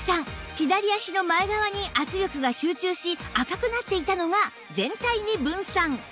左足の前側に圧力が集中し赤くなっていたのが全体に分散